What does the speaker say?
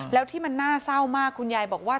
แล้วที่มันน่าเศร้ามากคุณยายบอกว่า